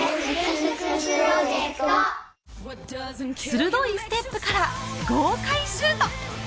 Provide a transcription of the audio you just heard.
鋭いステップから豪快シュート！